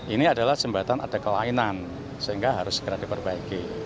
ini adalah jembatan ada kelainan sehingga harus segera diperbaiki